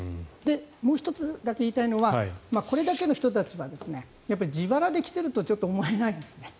もう１つだけ言いたいのはこれだけの人たちが自腹で来ているとはちょっと思えないですね。